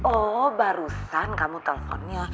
oh barusan kamu telfonnya